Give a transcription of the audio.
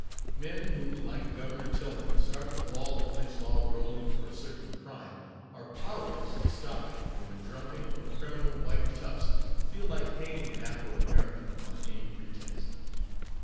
Men who, like Governor Tillman, start the ball of lynch law rolling for a certain crime, are powerless to stop it when drunken or criminal white toughs feel like hanging an Afro American on any pretext.